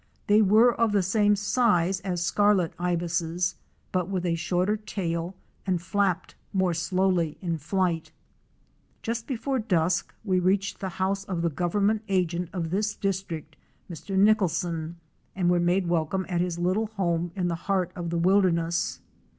They were of the same size as Scarlet Ibises but with a shorter tail, and flapped more slowly in flight. Fic. 106. SALT wATER FLYING FIsu. Just before dusk we reached the house of the government agent of this district, Mr. Nicholson, and were made welcome at his little home in the heart of the wilderness.